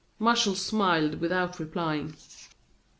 Martial smiled without replying.